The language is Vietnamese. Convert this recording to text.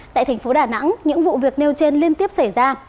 tại thành phố đà nẵng những vụ việc nêu trên liên tiếp xảy ra